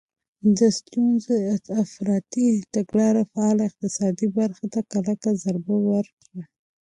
د سټیونز افراطي تګلارې فعاله اقتصادي برخه ته کلکه ضربه ورکړه.